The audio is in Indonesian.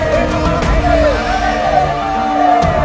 perasaan semua saping kayak gini